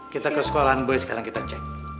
kita ke sekolahan buy sekarang kita cek